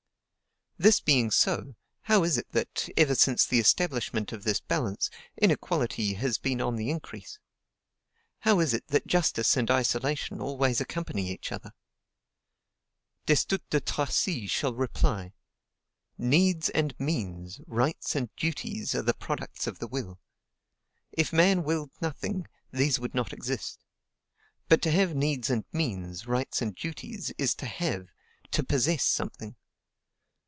This being so, how is it that, ever since the establishment of this balance, inequality has been on the increase? How is it that justice and isolation always accompany each other? Destutt de Tracy shall reply: "NEEDS and MEANS, RIGHTS and DUTIES, are products of the will. If man willed nothing, these would not exist. But to have needs and means, rights and duties, is to HAVE, to POSSESS, something.